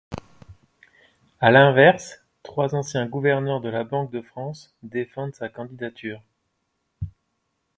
À l'inverse, trois anciens gouverneurs de la Banque de France défendent sa candidature.